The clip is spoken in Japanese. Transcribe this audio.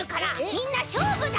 みんなしょうぶだ！